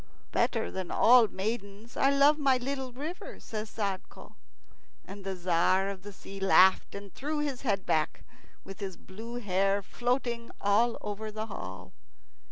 "Better than all maidens I love my little river," says Sadko; and the Tzar of the Sea laughed and threw his head back, with his blue hair floating all over the hall.